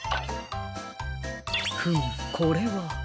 フムこれは。